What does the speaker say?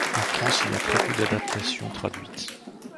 En France il y a très peu d'adaptations traduites.